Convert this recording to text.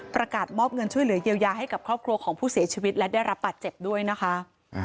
ประกาศมอบเงินช่วยเหลือเยียวยาให้กับครอบครัวของผู้เสียชีวิตและได้รับบาดเจ็บด้วยนะคะ